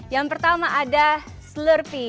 yang pertama ada slurpee